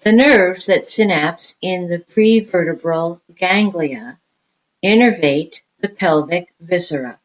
The nerves that synapse in the prevertebral ganglia innervate the pelvic viscera.